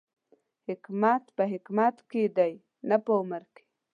حکمت په حکمت کې دی، نه په عمر کې